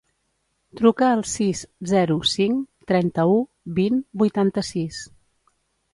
Truca al sis, zero, cinc, trenta-u, vint, vuitanta-sis.